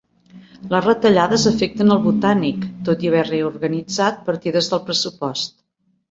Les retallades afecten el Botànic, tot i haver reorganitzat partides del pressupost.